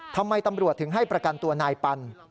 ทำไมตำรวจถึงให้ประกันตัวนายปัน